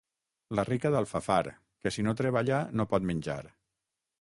La rica d'Alfafar, que si no treballa no pot menjar.